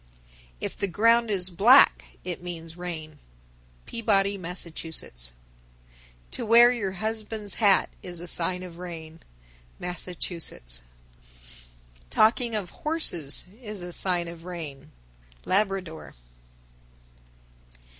_ 1017. If the ground is black, it means rain. Peabody, Mass. 1018. To wear your husband's hat is a sign of rain. Massachusetts. 1019. Talking of horses is a sign of rain. _Labrador.